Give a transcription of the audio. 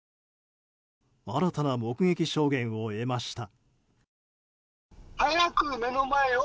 新たな目撃証言を得ました。